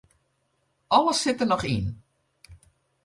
Alles sit der noch yn.